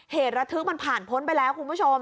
เหตุระทึกมันผ่านพ้นไปแล้วคุณผู้ชม